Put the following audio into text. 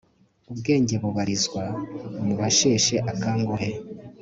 ubwenge bubarizwa mu basheshe akanguhe